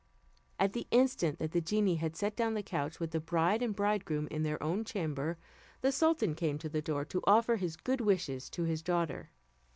At the instant that the genie had set down the couch with the bride and bridegroom in their own chamber, the sultan came to the door to offer his good wishes to his daughter.